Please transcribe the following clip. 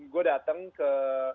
gue dateng ke